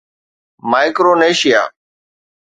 Micronesia